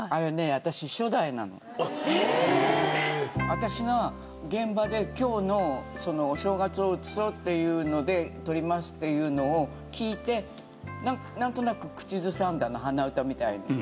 私が現場で今日の「お正月を写そう」っていうので撮りますっていうのを聞いてなんとなく口ずさんだの鼻歌みたいに。